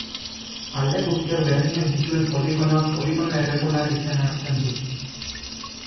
Alde guztiak berdinak dituen poligonoak poligono erregular izena hartzen du.